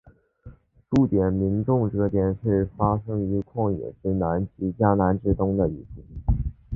数点民众这件事发生于旷野之南及迦南之东的一处地方。